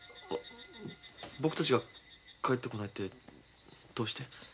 僕たちが帰ってこないってどうして？